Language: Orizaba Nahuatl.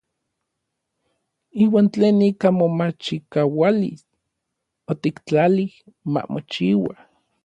Iuan tlen ika momachikaualis otiktlalij ma mochiua.